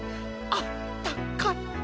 あったかい。